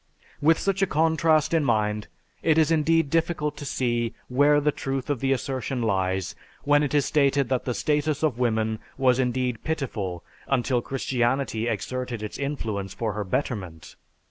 With such a contrast in mind, it is indeed difficult to see where the truth of the assertion lies when it is stated that the status of woman was indeed pitiful until Christianity exerted its influence for her betterment.